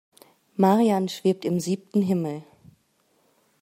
Marian schwebt im siebten Himmel.